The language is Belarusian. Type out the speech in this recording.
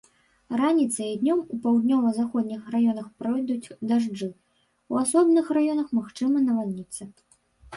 Раніцай і днём у паўднёва-заходніх раёнах пройдуць дажджы, у асобных раёнах магчымы навальніцы.